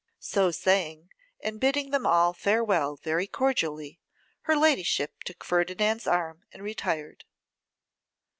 So saying, and bidding them all farewell very cordially, her ladyship took Ferdinand's arm and retired.